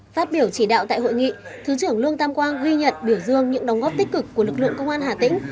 phát biểu chỉ đạo tại hội nghị thứ trưởng lương tam quang ghi nhận biểu dương những đóng góp tích cực của lực lượng công an hà tĩnh